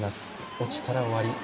落ちたら終わり。